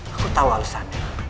aku tahu alasannya